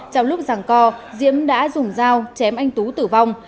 trong lúc rằng co diễm đã dùng dao chém anh tú tử vong